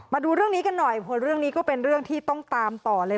มาดูเรื่องนี้กันหน่อยเรื่องนี้ก็เป็นเรื่องที่ต้องตามต่อเลย